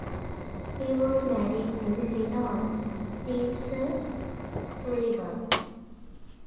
He was married to Leonor Kretzer Sullivan.